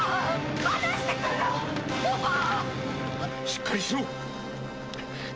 しっかりしろ！